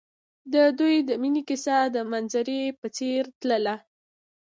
د دوی د مینې کیسه د منظر په څېر تلله.